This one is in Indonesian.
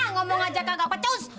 ngomong aja kagak pecus